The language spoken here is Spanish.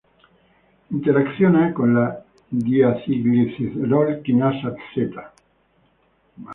Interacciona con la diacilglicerol kinasa theta.